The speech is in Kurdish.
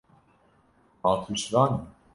Ma tu şivan î?